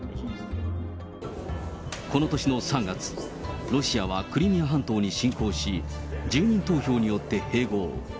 この年の３月、ロシアはクリミア半島に侵攻し、住民投票によって併合。